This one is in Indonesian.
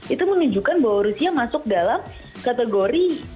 itu menunjukkan bahwa rusia masuk dalam kategori